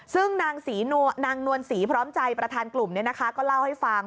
ซึ่งนางนวลศรีพร้อมใจประธานกลุ่มก็เล่าให้ฟัง